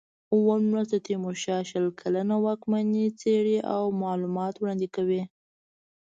اووم لوست د تیمورشاه شل کلنه واکمني څېړي او معلومات وړاندې کوي.